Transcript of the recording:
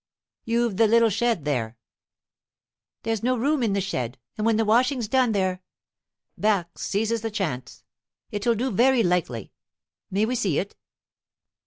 "You've the little shed there." "There's no room in the shed, and when the washing's done there " Barque seizes the chance. "It'll do very likely. May we see it?"